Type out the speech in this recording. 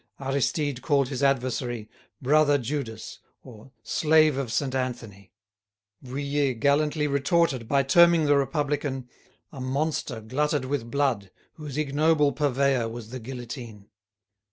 Aristide called his adversary "brother Judas," or "slave of Saint Anthony." Vuillet gallantly retorted by terming the Republican "a monster glutted with blood whose ignoble purveyor was the guillotine."